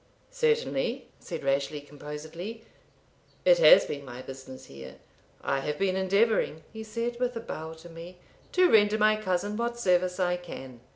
"Certainly," said Rashleigh, composedly "it has been my business here. I have been endeavouring," he said, with a bow to me, "to render my cousin what service I can.